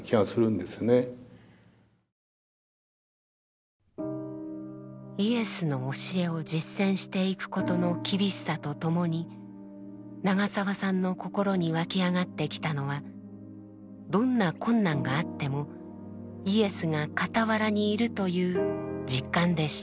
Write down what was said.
だからイエスの教えを実践していくことの厳しさとともに長澤さんの心に湧き上がってきたのはどんな困難があってもイエスが傍らにいるという実感でした。